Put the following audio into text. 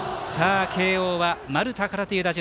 慶応は丸田からという打順。